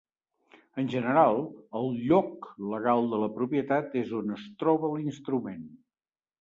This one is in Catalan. En general, el "lloc" legal de la propietat és on es troba l'instrument.